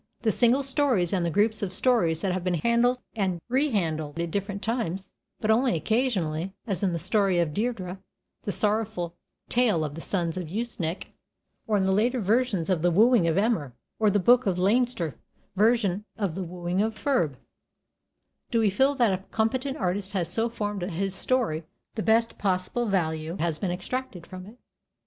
The single stories and the groups of stories have been handled and rehandled at different times, but only occasionally, as in the Story of Deirdre (the "Sorrowful Tale of the Sons of Usnech"), or in the later versions of the "Wooing of Emer", or the Book of Leinster version of the "Wooing of Ferb", do we feel that a competent artist has so formed his story that the best possible value has been extracted from it.